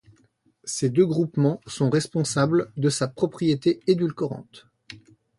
Ces deux groupements sont responsables de sa propriété édulcorante.